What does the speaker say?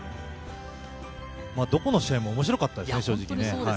どこの試合も面白かったですね、正直。